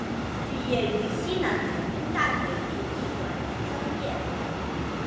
毕业于西南财经大学经济管理专业。